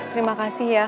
terima kasih ya